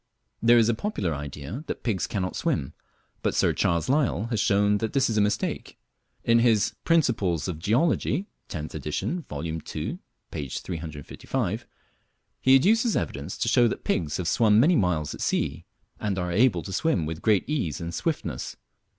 There is a popular idea that pigs cannot swim, but Sir Charles Lyell has shown that this is a mistake. In his "Principles of Geology" (10th Edit. vol. ii p. 355) he adduces evidence to show that pigs have swum many miles at sea, and are able to swim with great ease and swiftness.